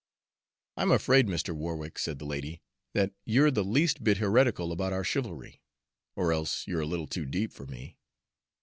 "I'm afraid, Mr. Warwick," said the lady, "that you're the least bit heretical about our chivalry or else you're a little too deep for me."